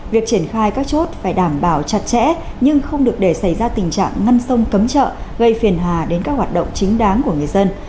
việc triển khai các chốt phải đảm bảo chặt chẽ nhưng không được để xảy ra tình trạng ngăn sông cấm chợ gây phiền hà đến các hoạt động chính đáng của người dân